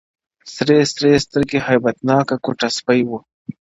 سرې سرې سترګي هیبتناکه کوټه سپی ؤ,